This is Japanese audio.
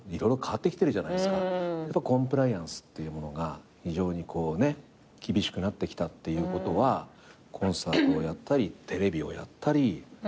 コンプライアンスっていうものが非常に厳しくなってきたっていうことはコンサートをやったりテレビをやったり感じますか？